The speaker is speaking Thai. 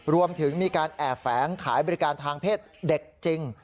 รวมถึงมีการแอบแฝงขายบริการทางเพศเด็กจริง